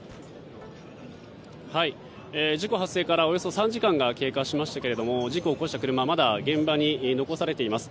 事故発生からおよそ３時間が経過しましたが事故を起こした車はまだ現場に残されています。